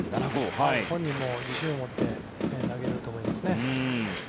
本人も自信を持って投げれると思いますね。